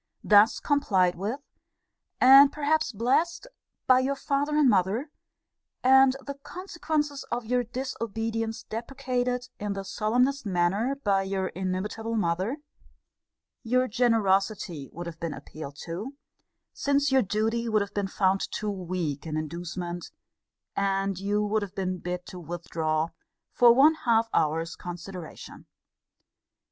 Thus complied with, and perhaps blessed, by your father and mother, and the consequences of your disobedience deprecated in the solemnest manner by your inimitable mother, your generosity would have been appealed to, since your duty would have been fount too weak an inducement, and you would have been bid to withdraw for one half hour's consideration.